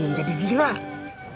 seharusnya ini bisa ditahan